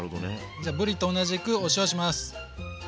じゃぶりと同じくお塩します。